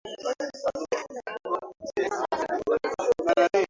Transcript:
waziri mkuu wa ustadi wa juli jilade ametoa tangazo hilo